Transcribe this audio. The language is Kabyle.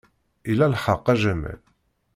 Ila lḥeqq, a Jamal.